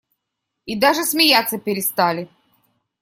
И даже смеяться перестали.